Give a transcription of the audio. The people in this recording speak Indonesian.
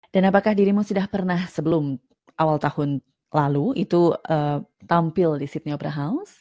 dan apakah dirimu sudah pernah sebelum awal tahun lalu itu tampil di sydney opera house